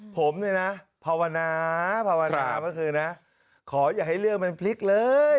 ผมเนี่ยนะภาวนาภาวนาเมื่อคืนนะขออย่าให้เรื่องมันพลิกเลย